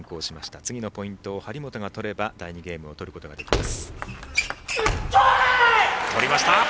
次のポイントを張本が取れば第２ゲームを取ることができます。